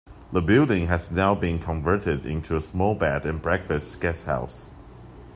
The building has now been converted into a small bed and breakfast guest house.